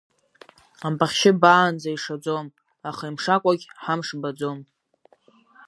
Ампахьшьы баанӡа ишаӡом, аха имшакәагь ҳамш баӡом.